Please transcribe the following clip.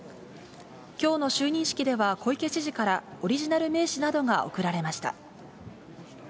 きょうの就任式では、小池知事からオリジナル名刺などが贈られました。